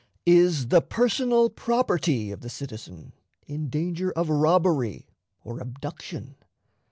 Is the personal property of the citizen in danger of robbery or abduction?